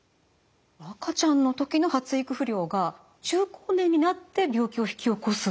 赤ちゃんの時の発育不良が中高年になって病気を引き起こすってことですか？